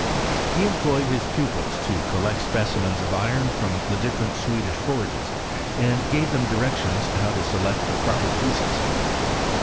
He employed his pupils to collect specimens of iron from, tiie dif ferent Swedish forges, and gave them direction! how to select the proper pieces.